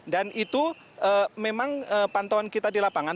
dan itu memang pantauan kita di lapangan